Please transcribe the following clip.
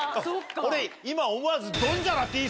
俺今思わず。